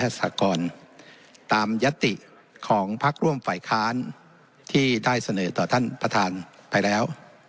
สากรตามยติของพักร่วมฝ่ายค้านที่ได้เสนอต่อท่านประธานไปแล้ว